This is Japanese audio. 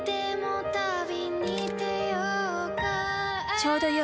ちょうどよい。